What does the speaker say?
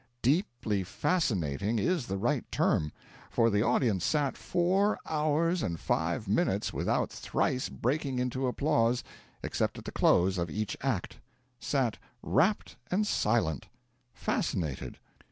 'Deeply fascinating' is the right term: for the audience sat four hours and five minutes without thrice breaking into applause, except at the close of each act; sat rapt and silent fascinated.